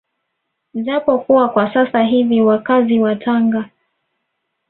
Japo kuwa kwa sasa hivi wakazi wa Tanga